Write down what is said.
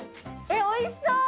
えっおいしそう！